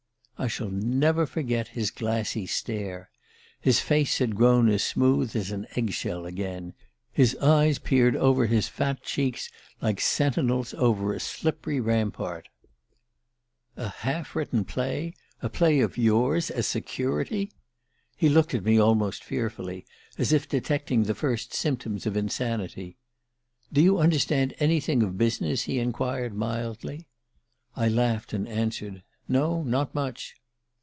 "I shall never forget his glassy stare. His face had grown as smooth as an egg shell again his eyes peered over his fat cheeks like sentinels over a slippery rampart. "'A half written play a play of yours as security?' He looked at me almost fearfully, as if detecting the first symptoms of insanity. 'Do you understand anything of business?' he enquired mildly. I laughed and answered: 'No, not much.